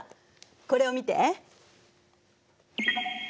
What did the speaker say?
これを見て。